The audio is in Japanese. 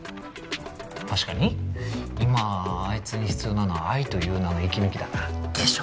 確かに今あいつに必要なのは愛という名の息抜きだな。でしょ？